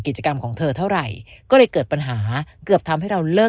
กิจกรรมของเธอเท่าไหร่ก็เลยเกิดปัญหาเกือบทำให้เราเลิก